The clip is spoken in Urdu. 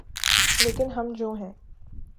‘ لیکن ہم جو ہیں۔